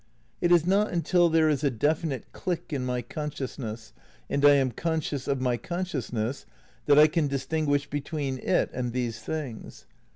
It is ^ot until there is a definite click in my consciousness and I am conscious of my consciousness, that I can dis tinguish between it and these things.